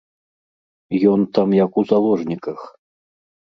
Ён там як у заложніках.